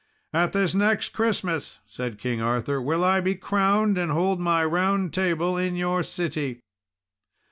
"At this next Christmas," said King Arthur, "will I be crowned, and hold my Round Table in your city."